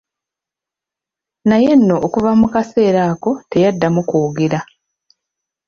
Naye nno okuva mu kaseera ako teyaddamu kwogera.